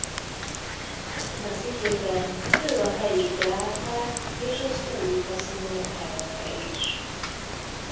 Ebben az időben ő a helyi Deák-párt és az Úri Kaszinó elnöke is.